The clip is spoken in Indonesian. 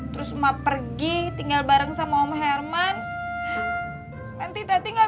terus emak pergi tinggal bareng sama om herman